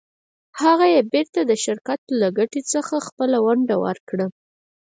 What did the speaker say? هغه یې بېرته د شرکت له ګټې څخه خپله ونډه ورکړه.